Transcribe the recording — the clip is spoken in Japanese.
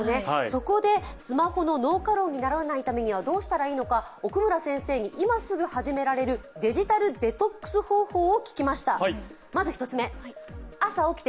そこで、スマホの脳過労にならないためにはどうしたらいいのか奥村先生に、今すぐ始められるデジタルデトックス方法を聞きました。